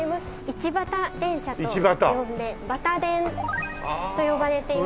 一畑電車と呼んで「ばたでん」と呼ばれています。